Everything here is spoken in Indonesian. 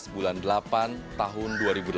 bulan delapan tahun dua ribu delapan belas